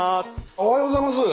おはようございます！